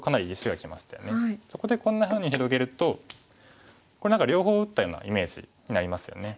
そこでこんなふうに広げるとこれ何か両方打ったようなイメージになりますよね。